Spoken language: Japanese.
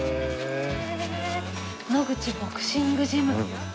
「野口ボクシングジム」